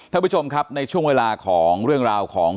ท่านผู้ชมครับในช่วงเวลาของเรื่องราวของ